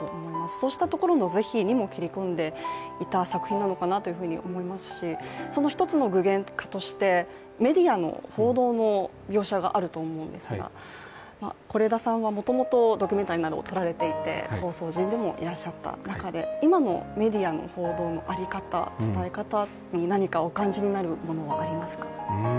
そうしたところの是非にも切り込んでいった作品であると思いますし、その１つの具現化として、メディアの報道の描写があると思うんですが是枝さんはもともとドキュメンタリーなども撮られていて放送人でもいらっしゃった中で、今のメディアの報道の在り方、伝え方に何かお感じになるものはありますか。